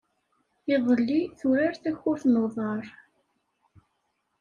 Iḍelli, turar takurt n uḍar.